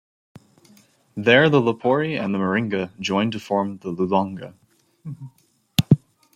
There the Lopori and the Maringa join to form the Lulonga.